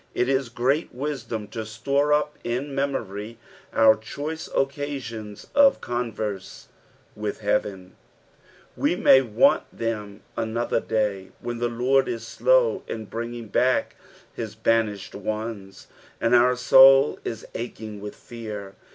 It is great wisdom to store up in memory uur choice occasions' of converse with heaven ; we may want them another day, when the Lord is slow in brining back his banished ones, and our soul ia aching with fear.